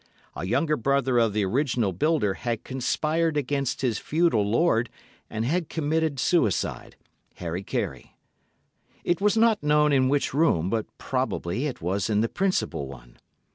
A younger brother of the original builder had conspired against his feudal lord and had committed suicide—hara kiri. It was not known in which room, but probably it was in the principal one.